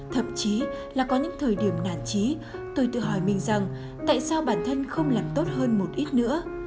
thậm chí là có những thời điểm nản trí tôi tự hỏi mình rằng tại sao bản thân không làm tốt hơn một ít nữa